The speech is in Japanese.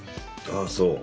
ああそう。